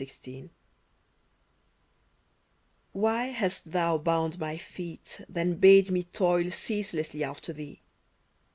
53 CRIPPLED T T 7"hy hast Thou bound my feet, Then bade me toil ceaselessly after Thee